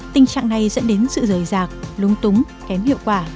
tình trạng này dẫn đến sự rời rạc lung túng kém hiệu quả